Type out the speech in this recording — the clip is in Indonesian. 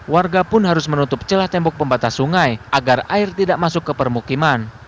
warga pun harus menutup celah tembok pembatas sungai agar air tidak masuk ke permukiman